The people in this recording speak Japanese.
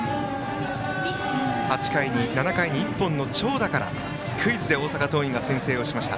７回に１本の長打からスクイズで大阪桐蔭が先制しました。